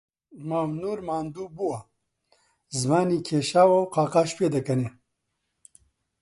مام نوور ماندوو بووە، زمانی کێشاوە و قاقاش پێدەکەنێ